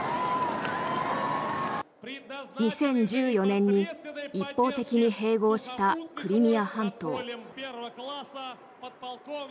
２０１４年に一方的に併合したクリミア半島。